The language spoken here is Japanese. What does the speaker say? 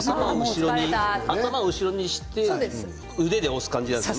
頭を後ろにして腕で押す感じですね。